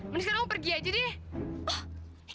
mendingan lo pergi aja deh